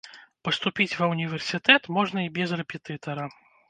Паступіць ва ўніверсітэт можна і без рэпетытара.